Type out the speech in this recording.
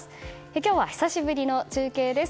今日は久しぶりの中継です。